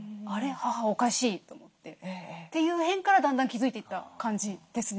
母おかしい」と思ってっていう辺からだんだん気付いていった感じですね。